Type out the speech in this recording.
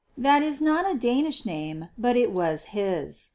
That is not a Danish name, but it was his.